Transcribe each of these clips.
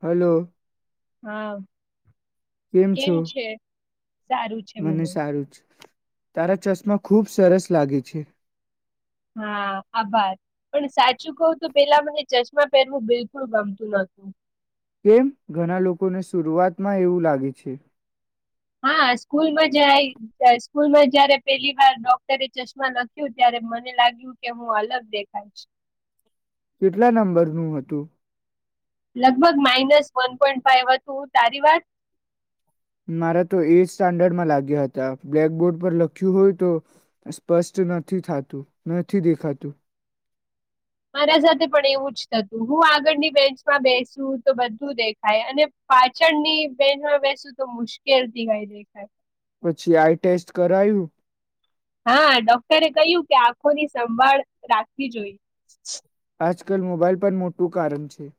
Hello. હા, કેમ છે? સારું છે મને. સારું જ તારા ચશ્માં ખૂબ સરસ લાગે છે. હા, આભાર પણ સાચ શું કહુંતો પેલા પાહે ચશ માં પહેરવું બિલકુલ ગમતું નથી. કેમ, ઘણા લોકોને શરૂઆતમાં એવું લાગે છે. હા, સ્કૂલમાં જાય સ્કૂલમાં જયારે પેલી વાર ડોક્ટરે ચશ્માં લખ્યું ત્યારે મને લાગ્યું કે હું અલગ દેખાઈશ. કેટલા નંબરનું હતું? લગભગ માઈનસ વન પોઈન્ટ ફાઈવ હતું તારી વાત. મારા તો એથ સ્ટાન્ડર્ડમાં લાગ્યા હતા બ્લેકબોર્ડ પર લખ્યું હોય તો સ્પષ્ટ નથી થાતું નથી દેખાતું. મારા સાથે પણ એવું જ થતું હું આગળની બેન્ચમાં બેસુ તો બધું દેખાય અને પાછળની બેન્ચમાં બેસુ તો મુશ્કેલથી ગાય દેખાય. પછી આઈ ટેસ્ટ કરાયું. હા, ડોક્ટરે કહ્યું કે આંખોની સંભાળ રાખવી જોઈએ. આજકાલ મોબાાઈલ પણ મોટું કારણ છે.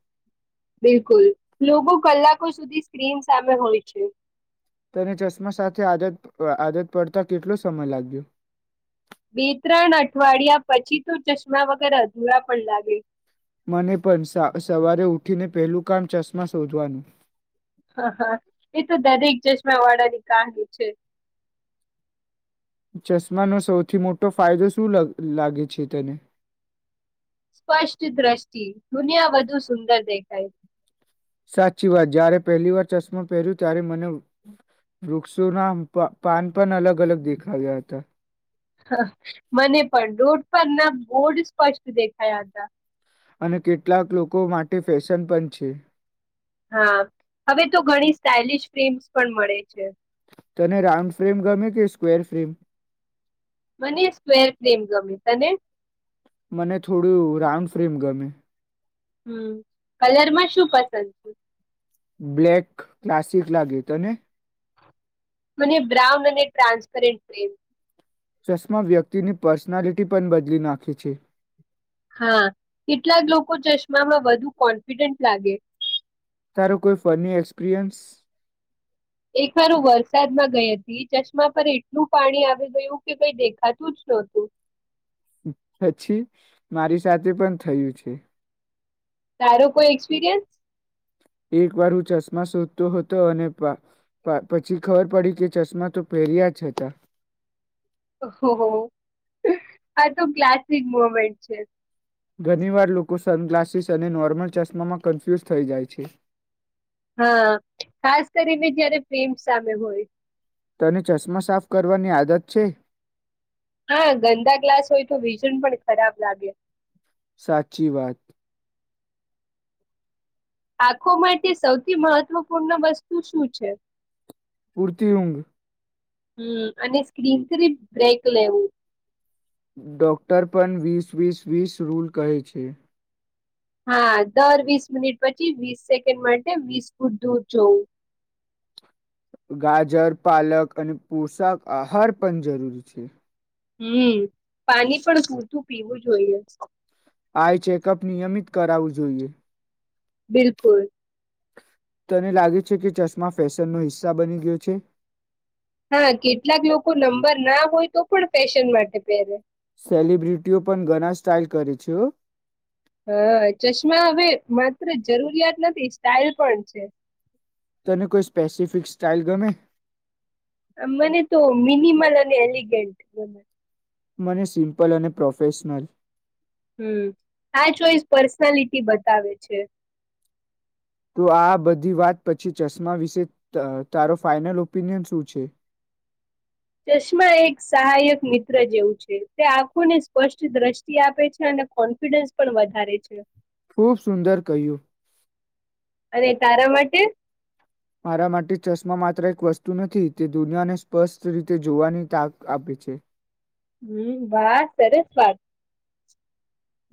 બિલકુલ, લોકો કલાકો સુધી સ્ક્રીન સામે હોય છે. તને ચશ્માં સાથે આદત આદત પડતાં કેટલો સમય લાગ્યો? બે ત્રણ અઠવાડિયા પછી તો ચશ્માં વગર અધૂરા પણ લાગે. મને પણ સવારે ઉઠીને પહેલું કામ ચશ્માં શોધવાનું. હા હા, એતો દરેક ચશમાં વાળાનું કામ છે. ચશ્માંનો સૌથી મોટો ફાયદો શું લાગે છે તેને? સ્પષ્ટ દ્રષ્ટિ, દુનિયા વધુ સુંદર દેખાય. સાચી વાત, જ્યારે પહેલી વાર ચશ્માં પહેર્યું ત્યારે મને વૃક્ષોનાં પાન પણ અલગ અલગ દેખાવ્યા હતા. હ મને પણ રોડ પરનાં બોડ સ્પષ્ટ દેખાયાં હતા. અને કેટલાક લોકો માટે ફેશન પણ છે. હા, હવે તો ઘણી સ્ટાઈલિંશ ફ્રેમ્સ પણ મળે છે. તને રાઉન્ડ ફ્રેમ ગમે કે સ્ક્વેર ફ્રેમ? મને સ્કવેર ફ્રેમ ગમે તને? મને થોડું રાઉન્ડ ફ્રેમ ગમે. હમ, કલરમાં શું પસંદ? બ્લેક ક્લાસિક લાગે, તને? મને બ્રાઉન અને ટ્રાન્સપરેટ ફ્રેમ. ચશ્માં વ્યક્તિની પર્સનાલિટી પણ બદલી નાખે છે. હા, કેટલાક લોકો ચશ્મામાં વધુ કોન્ફિડન્ટ લાગે. તારો કોઈ ફની એક્સપિરિયન્સ? એકવાર હું વરસાદમાં ગઈ હતી ચશ્માં પર એટલું પાણી આવી ગયું કે કઈ દેખાતું જ નહતું. પછી મારી સાથે પણ થયું છે. તારો કોઈ એક્સપિરિયન્સ? એકવાર હું ચશ્માં શોધતો હતો અને પછી ખબર પડી કે ચશ્માં તો પહેર્યા જ હતા. ઓહોહો, આતો ક્લાસિક મોમેન્ટ છે. ઘણીવાર લોકો સનગ્લાસીસ અને નોર્મલ ચશ્મામાં કન્ફ્યુઝ થઈ જાય છે. હા, ખાસ કરીને જયારે ફ્રેમ સામે હોય. તને ચશ્માં સાફ કરવાની આદત છે? હા, ગંદા ગ્લાસ હોય તો વિઝન પણ ખરાબ લાગે. સાચી વાત. આંખો માટે સૌથી મહત્વપૂર્ણ વસ્તુ શું છે? પૂરતી ઊંઘ. હમ, અને સ્ક્રીનથીરી બ્રેક લેવું. ડોક્ટર પણ વીસ-વીસ-વીસ રૂલ કહે છે. હા, દર વીસ મિનિટ પછી વીસ સેકન્ડ માટે વીસ ફૂટ દૂર જવું. ગાજર, પાલક અને પોષક આહાર પણ જરૂરી છે. હમ, પાણી પણ સૂરધું પીવું, જોઈએ. આઈ ચેકઅપ, નિયમિત કરાવવું જોઈએ. બિલકુલ તને લાગે છે, કે ચશ્મા ફેશનનો હિસ્સા, બની ગયો છે? હા, કેટલાક લોકો નંબરના હોય, તો પણ ફેશન માટે પહેરે. સેલિબ્રિટીઓ પણ ઘણા સ્ટાઇલ, કરે છે. હા, ચશ્મા હવે, માત્ર જરૂરિયાત નથી, સ્ટાઇલ પણ છે. તને કોઈ સ્પેસિફિક, સ્ટાઇલ ગમે? મને તો મિનિમલ, અને એલિગન્ટ ગમે. મને સિમ્પલ અને પ્રોફેશનલ હમ, આ ચોઈસ પર્સનાલિટી બતાવે છે. તો આ બધી વાત પછી, ચશ્મા વિશે તારો ફાઇનલ ઓપિનિયન શું છે? ચશ્મા એક સહાયક મિત્ર જેવું છે, તે આંખોને સ્પષ્ટ દ્રષ્ટિ આપે છે, અને કોન્ફિડન્સ પણ વધારે છે. ખૂબ સુંદર કહ્યું. અને, તારા માટે મારા માટે ચશ્મા માત્ર એક વસ્તુ નથી, તે દુનિયાને સ્પષ્ટ રીતે જોવાની તાક આપે છે. હમ, વાહ! સરસ વાત.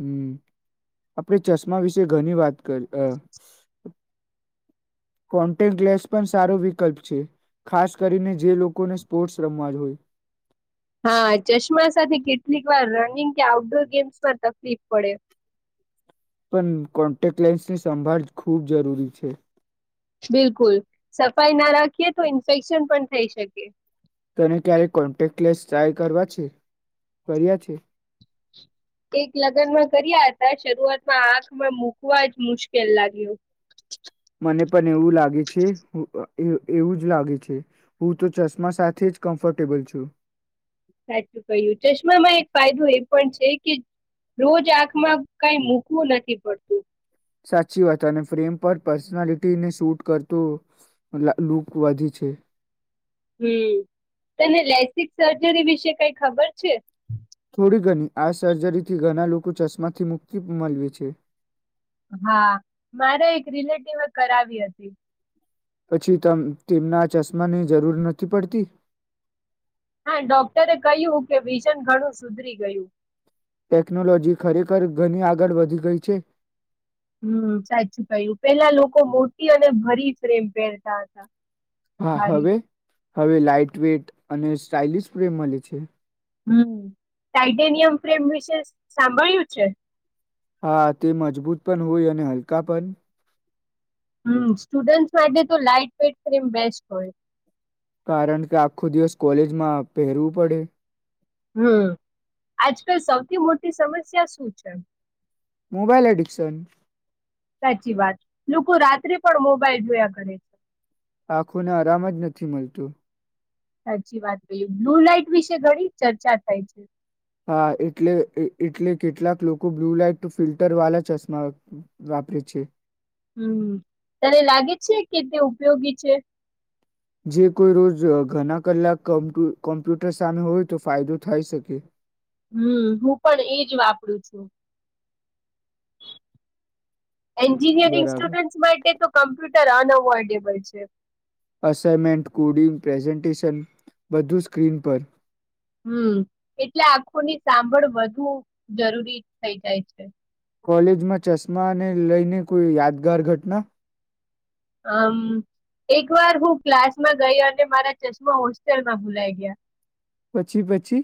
હમ, આપણે ચશ્મા વિશે ઘણી વાત કરી, કોન્ટેક્ટ લેન્સ પણ સારો વિકલ્પ છે, ખાસ કરીને જે લોકોને સ્પોર્ટ્સ રમવા જ હોય. હા, ચશ્મા સાથે કેટલીક વાર રનિંગ, કે આઉટડોર ગેમ્સમાં તકલીફ પડે. પણ કોન્ટેક્ટ લેન્સની, સંભાળ ખૂબ જરૂરી છે. બિલકુલ, સફાઈ ના રાખીએ, તો ઇન્ફેક્શન પણ થઈ, શકે. કે સ્ટીલે કરવા છે. કર્યા છે. એક લગ્નમાં કર્યા હતા, શરૂઆતમાં આંખમાં મુૂકવા, જ મુશ્કેલ લાગ્યું. મને પણ એવું લાગે છે, એવુંજ લાગે છે, હું તો ચશ્મા સાથે જ કમ્ફર્ટેબલ છું. સાચું કહ્યું, ચશ્મામાં એક ફાયદો એ પણ છે, કે રોજ આંખમાં કઈ મૂકવું નથી, પડતું. સાચી વાત, અને ફ્રેમ પર પર્સનાલિટીને શૂટ, કરતો લુક વધી છે. હમ, તને લેસિક સર્જરી વિશે કઈ ખબર છે? થોડી, ઘણી આ સર્જરીથી ઘણા, લોકો ચશ્માથી મુક્તિ મળવે છે. હા, મારે એક રિલેટિવ કરાવી હતી. પછી, તેમના ચશ્માની જરૂર નથી, પડતી. હા, ડોક્ટરે કહ્યું, કે વિઝન ઘણું સુધરી ગયું. ટેકનોલોજી ખરેખર, ઘણી આગળ વધી ગઈ છે. હમ, સાચું કહ્યું, પેલા લોકો મોટી અને ભરી ફ્રેમ પહેરતા હતા. હા ભારી હવે. હવે લાાઈટ વેટ, અને સ્ટાઇલિશ ફ્રેમ મળે છે. હમ, ટાઈટેનિયમ ફ્રેમ, વિશે સાંભળ્યું છે? હા, તે મજબૂત પણ હોય, અને હલકા પણ. હમ, સ્ટુડન્ટસ માટે તો લાઈટ વેઇટ ફ્રીમ બેસ્ટ, હોય. કારણ કે આખો, દિવસ કોલેજમાં પહેરવું પડે. હમ, આજકાલ સૌથી મોટી સમસ્યા શું છે? Mobile, addiction. સાચી વાત, લોકો રાત્રે પણ મોબાઈલ જોયા કરે છે. આખોને આરામજ નથી મળતું. સાચી વાત છે, બ્લુ લાઈટ વિશે ઘણી ચર્ચા થાય છે. હા, એટલે એટલે કેટલાક લોકો બ્લુ લઇટ ફિલ્ટર વાળા ચશ્મા, વાપરે છે. હમ, તને લાગે છે કે તે ઉપયોગી છે? જે કોઈ રોજ ઘણા કલાક કોમ્પ્યુટર સામે હોય, તો ફાયદો થાય શકે. હમ, હું પણ એજ વાપરું છું. એન્જિનિયરિંગ બરાબર સ્ટુડન્ટસ માટે તો કમ્પ્યુટર જ્યારે અનઅવોઇડેબલ છે. અસઇમેન્ટ કોડિંગ પ્રેઝન્ટેશન બધું સ્ક્રીન પર. હમ, એટલે આંખોની સાંભળ વધુ જરૂરી થઈ જાય છે. કોલેજમાં ચશ્માને લઈને કોઈ યાદગાર ઘટના? હમ, એક વાર હું ક્લાસમાં ગઈ અને મારા ચશ્મા હોસ્ટેલમાં ભુલાઈ ગયા. પછી પછી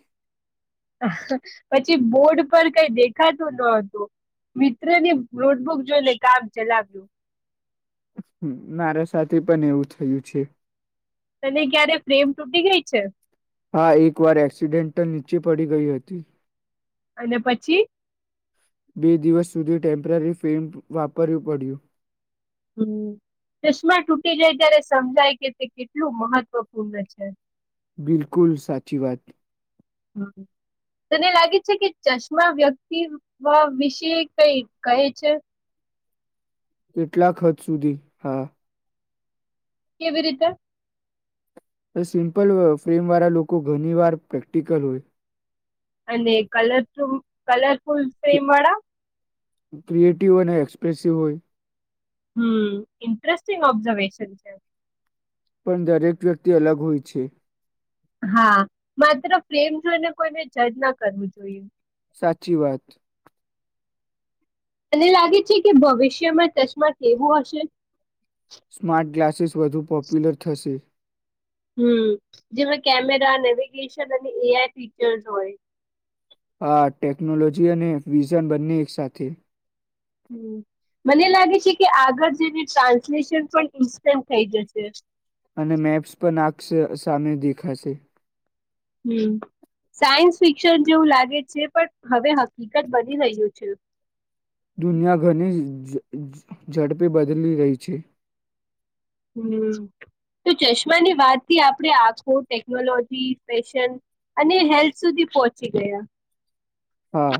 પછી બોર્ડ પર કઈ દેખાતું ન હતું, મિત્રને નોટબુક જોઈને કામ ચલાવ્યું. મારા સાથે પણ એવું થયું છે. તને ક્યારે ફ્રેમ તૂટી ગઈ છે. હા, એકવાર એક્સિડેન્ટ નીચે પડી ગઈ હતી. અને પછી બે દિવસ સુધી ટેમ્પરરી ફિલ્મ વાપરવી પડ્યું. હમ્મ, ચશ્મા તૂટી જાય ત્યારે સમજાય કે તે કેટલું મહત્વપૂર્ણ છે. બિલકુલ, સાચી વાત. હા એ તને લાગે છે કે ચશ્મા વ્યક્તિ વિશે કઈ કહે છે? કેટલાક હદ સુધી, હા. કેવી રીતે? અહ સિમ્પલ ફ્રેમ વાળા લોકો ઘણી વાર પ્રેક્ટિકલ હોય. અને કલર તુમ કલર ફુલ ફ્રેમ વાળા? ક્રિએટિવ અને એક્સપ્રેસિવ હોય. હમ્મ, ઇન્ટરેસ્ટિંગ ઓબ્ઝર્વેશન છે. પણ દરેક વ્યક્તિ અલગ હોય છે. હા, માત્ર ફ્રેમ જોઈને કોઈને જજ ના કરવું જોઈએ. સાચી વાત. તને લાગે છે કે ભવિષ્યમાં ચશ્મા કવું હશે? સ્માર્ટ ગ્લાસ સીસ વધુ પોપ્યુલર થશે. હમ્મ, જેમાં કેમેરા, નેવિગેશન અને એ આઈ ફીચર્સ હોય. હા, ટેકનોલોજી અને વિઝન બંને એક સાથે. હમ્મ, મને લાગે છે કે આગળ જેને ટ્રાન્સલેશન પણ ઇન્સ્ટન્ટ થઈ જશે. અને મેપ્સ પણ આખ સે સામે દેખાશે. હમ્મ, સાયન્સ ફિક્શન જેવું લાગે છે, પણ હવે હકીકત બની રહ્યું છે. દુનિયા ઘરની હમ્મ ઝ ઝ ઝડપી બદલી રહી છે. હમ્મ તો ચશ્માની વાતથી આપડે આખો ટેકનોલોજી, ફેશન અને હેલ્થ સુધી પોહોંચી ગયા. હા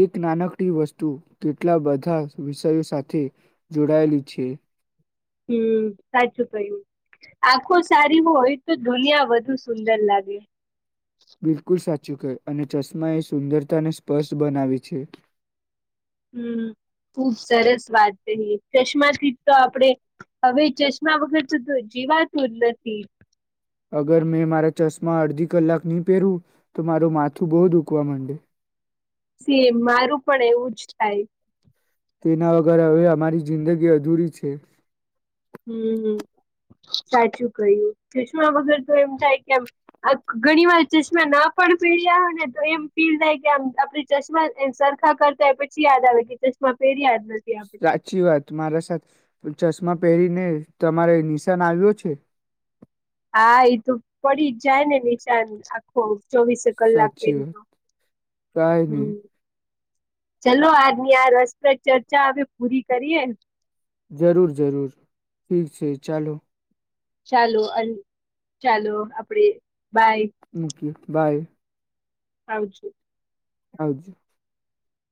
એક નાનકડી વસ્તુ કેટલા બધા વિષયો સાથે જોડાયેલી છે. હમ્મ, સાચું કયું આખો સારી હોય તો દુનિયા વધુ સુંદર લાગે. બિલકુલ સાચું કે અને ચશ્મા એ સુંદરતાને સ્પર્શ બનાવે છે. હમ ખુબ સરસ વાત કહી ચશ્માથી જ તો આપણેે હવે ચશ્મા વગર તો તો જીવાતું જ નથી. અગર મેં મારા ચશ્મા અડધી કલાકની પેરુ તો મારું માથું બો દુકવા માંડે સેમ મારું પણ એવું જ થાય તેના વગર હવે અમારી જિંદગી અધૂરી છે. હમ્મ હમ્મ સાચું કહ્યું ચશ્મા વગર તો એમ થાય કેમ આ ઘણી વાર ચશ્મા ના પણ પહેર્યા હોય ને તો એમ ફીલ થાય કે આમ આપડે ચશ્મા સરખા કરતાય પછી યાદ આવે કે ચશ્મા પહેર્યા જ ન સાચી વાત માારાસા ચસ માં પહેરીને તમારે નિશાન આવ્યો છે. હા એઈ તો પડી જ જાય ને નિશાન આખો ચોવીસે કલાક સાચી પેરુ તો વાત કઈ હમ નહી ચલો આજની આ રસપ્રદ ચર્ચા હવે પૂરી કરીએ. જરૂર જરૂર ઠીક છે ચાલો ચાલો અન ચાલો આપડે બાય મુક્ય બાય આવજો આવજો